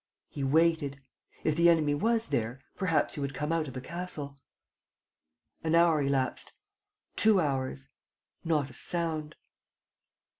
He waited. If the enemy was there, perhaps he would come out of the castle. ... An hour elapsed. ... Two hours. ... Not a sound.